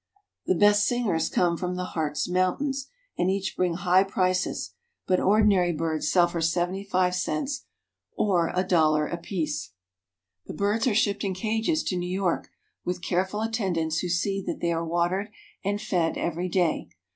The best singers come from the Harz Mountains, and bring high prices, but ordinary birds sell for seventy five cents or a dollar apiece. The birds are shipped in cages to New York, with care ful attendants who see that they are watered and fed every day.